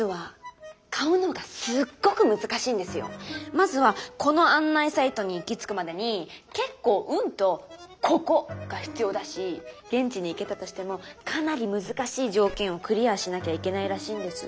まずはこの案内サイトに行き着くまでに結構運とココが必要だし現地に行けたとしてもかなり難しい条件をクリアしなきゃいけないらしいんです。